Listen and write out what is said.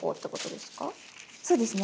そうですね。